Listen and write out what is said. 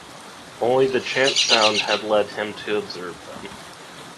Only the chance sound had led him to observe them.